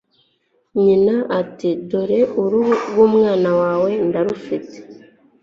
nyina iti 'dore uruhu rw'umwana wawe ndarufite